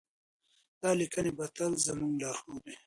دا لیکنې به تل زموږ لارښود وي.